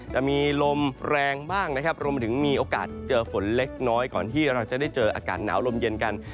จะมีลมแรงบ้างนะครับรวมไปถึงมีโอกาสเจอฝนเล็กน้อยก่อนที่เราจะได้เจออากาศหนาวลมเย็นกัน